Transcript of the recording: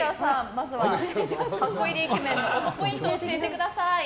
まずは箱入りイケメンの推しポイントを教えてください。